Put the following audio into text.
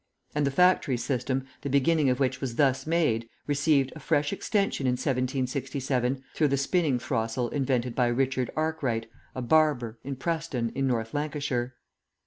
And the factory system, the beginning of which was thus made, received a fresh extension in 1767, through the spinning throstle invented by Richard Arkwright, a barber, in Preston, in North Lancashire.